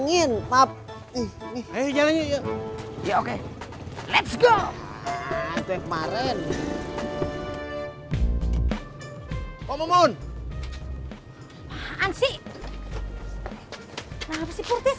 kenapa sih pur tis